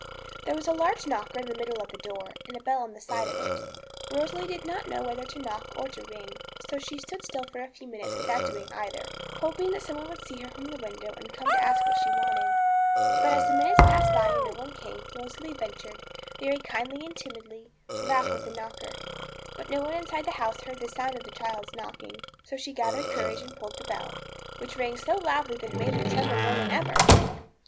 There was a large knocker in the middle of the door, and a bell on one side of it. Rosalie did not know whether to knock or to ring, so she stood still for a few minutes without doing either, hoping that some one would see her from the window and come to ask what she wanted. But as the minutes passed by and no one came, Rosalie ventured, very gently and timidly, to rap with the knocker. But no one inside the house heard the sound of the child's knocking. So she gathered courage and pulled the bell, which rang so loudly that it made her tremble more than ever.